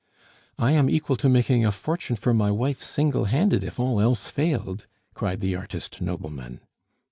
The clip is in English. "I am equal to making a fortune for my wife single handed if all else failed!" cried the artist nobleman.